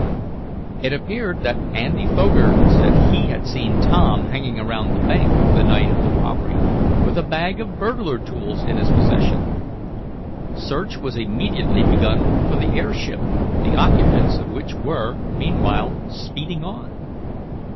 It appeared that Andy Foger said he had seen Tom hanging around the bank the night of the robbery, with a bag of burglar tools in his possession. Search was immediately begun for the airship, the occupants of which were, meanwhile, speeding on.